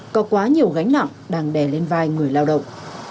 có quá nhiều gánh nặng đang đè lên vai người lao động